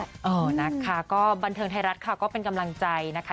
เออนะคะก็บันเทิงไทยรัฐค่ะก็เป็นกำลังใจนะคะ